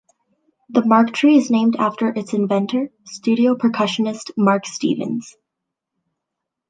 The mark tree is named after its inventor, studio percussionist Mark Stevens.